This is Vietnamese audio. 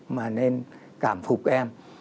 mà nên cảm phục em